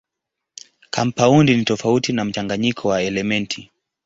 Kampaundi ni tofauti na mchanganyiko wa elementi.